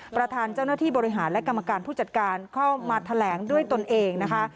ประธานเจ้าหน้าที่บริหารและกรรมการผู้จัดการเข้ามาแถลงด้วยตนเองนะคะ